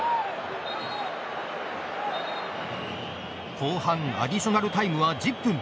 後半アディショナルタイムは１０分。